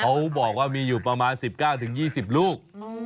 เขาบอกว่ามีอยู่ประมาณ๑๙๒๐ลูก